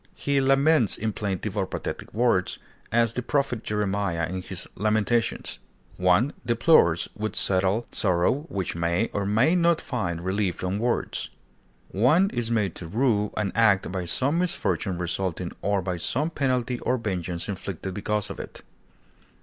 He laments in plaintive or pathetic words, as the prophet Jeremiah in his "Lamentations." One deplores with settled sorrow which may or may not find relief in words. One is made to rue an act by some misfortune resulting, or by some penalty or vengeance inflicted because of it.